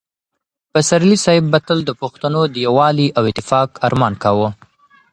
پسرلي صاحب به تل د پښتنو د یووالي او اتفاق ارمان کاوه.